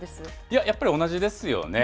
やっぱり同じですよね。